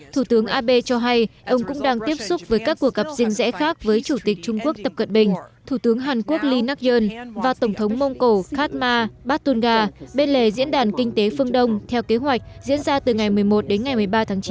thủ tướng abe cho hay ông cũng đang tiếp xúc với các cuộc gặp riêng rẽ khác với chủ tịch trung quốc tập cận bình thủ tướng hàn quốc lee nak yoon và tổng thống mông cổ khatma batunga bên lề diễn đàn kinh tế phương đông theo kế hoạch diễn ra từ ngày một mươi một đến ngày một mươi ba tháng chín